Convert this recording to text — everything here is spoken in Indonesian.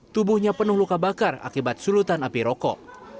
tubuhnya penuh luka bakar akibat sulutan api rokok